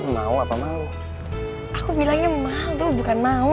mau apa mau aku bilangnya malu bukan mau